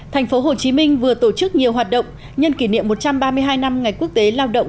thành phố hồ chí minh vừa tổ chức nhiều hoạt động nhân kỷ niệm một trăm ba mươi hai năm ngày quốc tế lao động